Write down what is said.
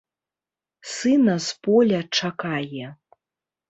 Сына з поля чакае.